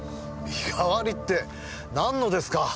身代わりってなんのですか？